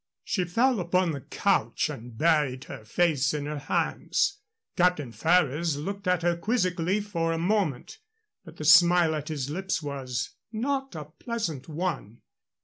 She fell upon the couch and buried her face in her hands. Captain Ferrers looked at her quizzically for a moment, but the smile at his lips was not a pleasant one.